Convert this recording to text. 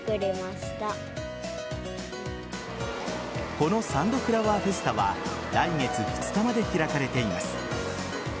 このサンドフラワーフェスタは来月２日まで開かれています。